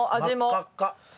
真っ赤っか。